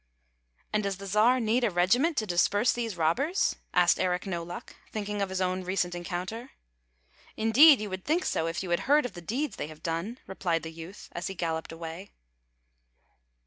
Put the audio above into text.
" And does the Czar need a regiment to disperse these robbers?" asked Eric No Luck, thinking of his own recent encounter. " Indeed, you would think so, if you had heard of the deeds they have done," replied the youth, as he galloped away.